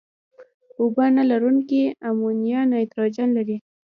اوبه نه لرونکي امونیا نایتروجن لري.